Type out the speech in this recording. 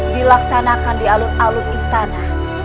dilaksanakan di alun alun istana